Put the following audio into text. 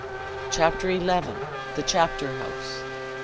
Chapter XI. The Chapter House.